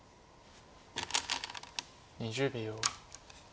２０秒。